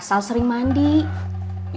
asal sering mandi ya kan vu